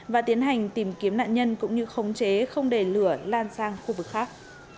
và tiến hành tìm kiếm nạn nhân cũng như khống chế không để lửa lan sang khu vực khác